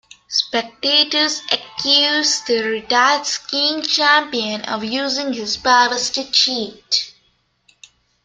Spectators accuse the retired skiing champion of using his powers to cheat.